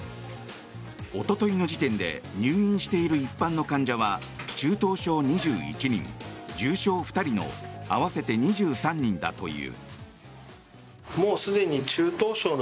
おとといの時点で入院している一般の患者は中等症２１人、重症２人の合わせて２３人だという。